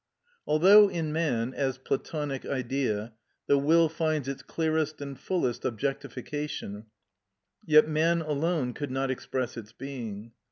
Although in man, as (Platonic) Idea, the will finds its clearest and fullest objectification, yet man alone could not express its being.